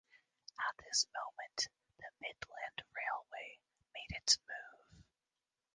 At this moment the Midland Railway made its move.